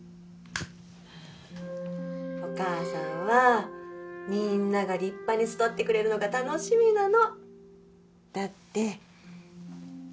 お母さんはみんなが立派に育ってくれるのが楽しみなの。